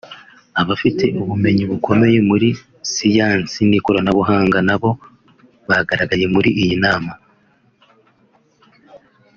abafite ubumenyi bukomeye muri siyansi n’ikoranabuhanga na bo bagaragaye muri iyi nama